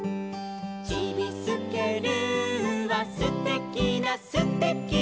「ちびすけルーはすてきなすてきな」